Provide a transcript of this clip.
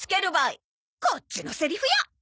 こっちのセリフや！